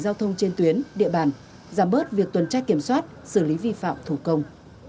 giao thông trên tuyến địa bàn giảm bớt việc tuần tra kiểm soát xử lý vi phạm thủ công